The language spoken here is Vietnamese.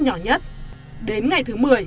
nhỏ nhất đến ngày thứ một mươi